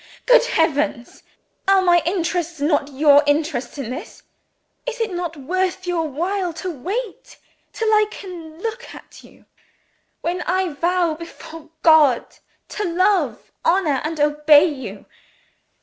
Good Heavens! are my interests not your interests in this? Is it not worth your while to wait till I can look at you when I vow before God to love, honor, and obey you?